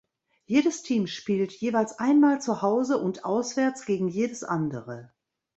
Jedes Team spielt jeweils einmal zu Hause und auswärts gegen jedes andere.